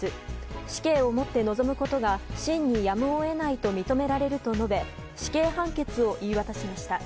死刑をもって臨むことが真にやむを得ないと認められると述べ死刑判決を言い渡しました。